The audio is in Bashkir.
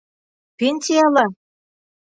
Пенсияла.